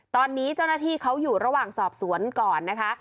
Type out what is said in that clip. ตอนนี้เจ้าหน้าที่เขาอยู่ระหว่างสอบสวนก่อนนะคะ